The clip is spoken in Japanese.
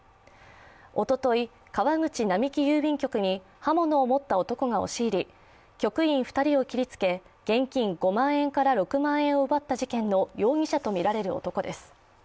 おととい、川口並木郵便局に刃物を持った男が押し入り局員２人を切りつけ、現金５万円から６万円を奪った事件の容疑者とみられる男です。